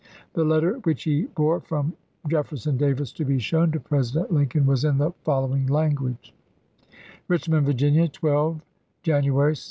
The letter which he bore from Jefferson Davis to be shown to President Lincoln was in the follow ing language : Richmond, Virginia, 12 Jany.